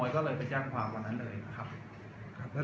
แต่ว่าเมืองนี้ก็ไม่เหมือนกับเมืองอื่น